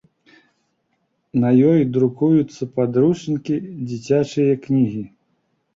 На ёй друкуюцца падручнікі, дзіцячыя кнігі.